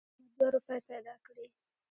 احمد دوه روپۍ پیدا کړې.